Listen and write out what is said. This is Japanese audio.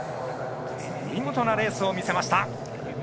見事なレースを見せました。